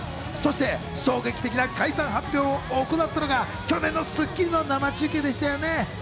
そして衝撃的な解散発表を行ったのが去年の『スッキリ』の生中継でしたよね。